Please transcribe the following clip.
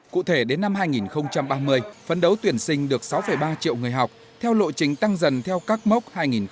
cụ thể đến năm hai nghìn ba mươi phấn đấu tuyển sinh được sáu ba triệu người học theo lộ trình tăng dần theo các mốc hai nghìn hai mươi một hai nghìn hai mươi năm